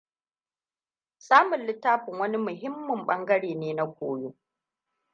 Samun littafin wani muhimmin ɓangare ne na koyo.